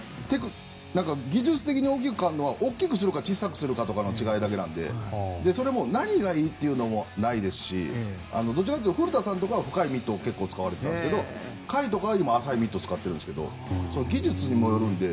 技術的に大きく変わるのは大きくするか小さくするかの違いで何がいいとかもないですしどちらかというと古田さんとかは深いミットを使われていたんですが甲斐とかは浅いミットを使ってるんですが技術にもよるので。